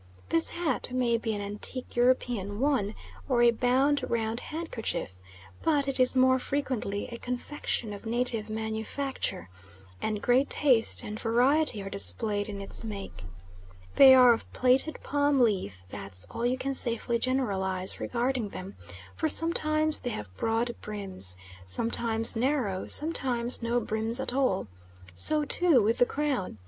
This hat may be an antique European one, or a bound round handkerchief, but it is more frequently a confection of native manufacture, and great taste and variety are displayed in its make. They are of plaited palm leaf that's all you can safely generalise regarding them for sometimes they have broad brims, sometimes narrow, sometimes no brims at all. So, too, with the crown.